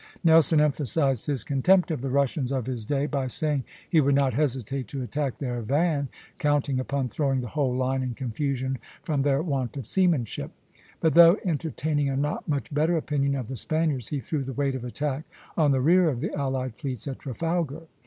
Nelson emphasized his contempt of the Russians of his day by saying he would not hesitate to attack their van, counting upon throwing the whole line in confusion from their want of seamanship; but though entertaining a not much better opinion of the Spaniards, he threw the weight of attack on the rear of the allied fleets at Trafalgar.